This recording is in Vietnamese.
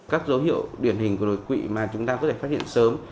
các dấu hiệu điển hình của đột quỵ mà chúng ta có thể phát hiện sớm